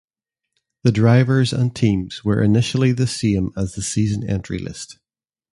The drivers and teams were initially the same as the season entry list.